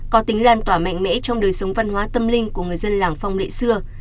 có tính lan tỏa mạnh mẽ trong đời sống văn hóa tâm linh của người dân làng phong lệ xưa